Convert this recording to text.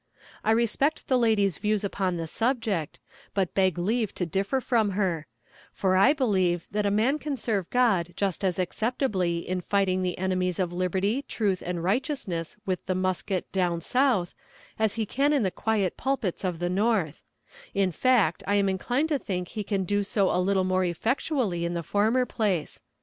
I respect the lady's views upon the subject, but beg leave to differ from her; for I believe that a man can serve God just as acceptably in fighting the enemies of liberty, truth and righteousness with the musket down South, as he can in the quiet pulpits of the North; in fact I am inclined to think he can do so a little more effectually in the former place.